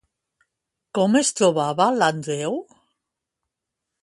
Com es trobava l'Andreu?